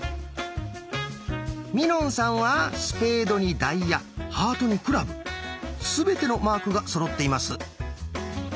みのんさんはスペードにダイヤハートにクラブ全てのマークがそろっています。